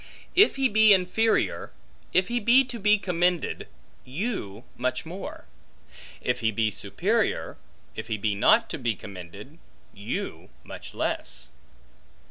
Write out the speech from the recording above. If he be inferior, if he be to be commended, you much more; if he be superior, if he be not to be commended, you much less.